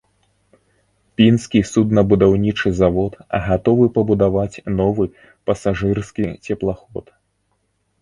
Пінскі суднабудаўнічы завод гатовы пабудаваць новы пасажырскі цеплаход.